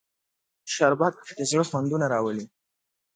شربت د زړه خوندونه راولي